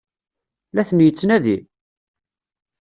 La ten-yettnadi?